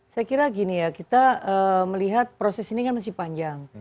saya kira gini ya kita melihat proses ini kan masih panjang